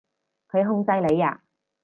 佢控制你呀？